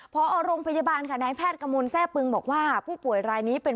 พอโรงพยาบาลค่ะนายแพทย์กระมวลแทร่ปึงบอกว่าผู้ป่วยรายนี้เป็น